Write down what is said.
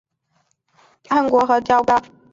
日溪乡的主要人口为汉族和畲族。